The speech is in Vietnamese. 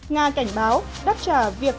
nga cảnh báo đáp trả việc